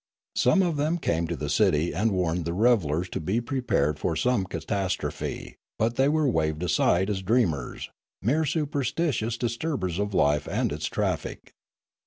Some of them came to the city and warned the revellers to be prepared for some catastrophe; but they were waved aside as dreamers, mere superstitious disturbers of life and its traffic.